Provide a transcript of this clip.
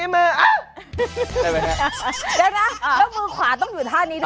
แล้วมือขวานต้องอยู่ท่านี้เนอะ